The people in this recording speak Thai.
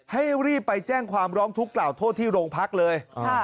ให้รีบไปแจ้งความร้องทุกข์กล่าวโทษที่โรงพักเลย